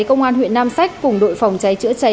công an huyện nam sách cùng đội phòng cháy chữa cháy